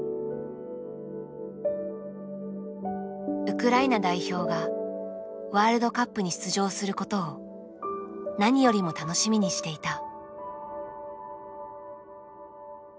ウクライナ代表がワールドカップに出場することを何よりも楽しみにしていた。